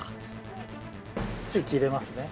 スイッチ入れますね。